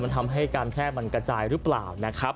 มันทำให้การแพร่มันกระจายหรือเปล่านะครับ